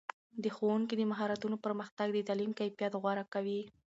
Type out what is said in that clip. د ښوونکو د مهارتونو پرمختګ د تعلیم کیفیت غوره کوي.